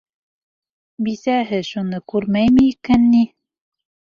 Бисәһе шуны күрмәйме икән ни?